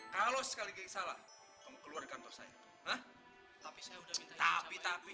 kalau sekali salah keluar kantor saya tapi tapi tapi